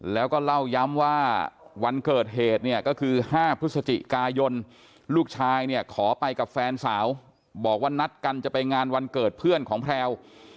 แล้วก็เล่าย้ำว่าวันเกิดเหตุเนี่ยก็คือ๕พฤศจิกายนลูกชายเนี่ยขอไปกับแฟนสาวบอกว่านัดกันจะไปงานวันเกิดเพื่อนของแพลว